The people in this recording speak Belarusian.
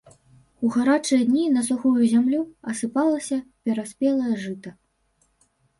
У гарачыя дні на сухую зямлю асыпалася пераспелае жыта.